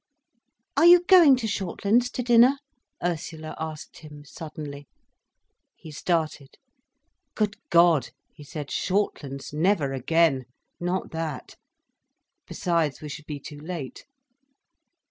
"Are you going to Shortlands to dinner?" Ursula asked him suddenly. He started. "Good God!" he said. "Shortlands! Never again. Not that. Besides we should be too late."